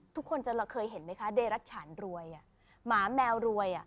ทุกคนจะเคยเห็นไหมคะเดรัชฉานรวยหมาแมวรวย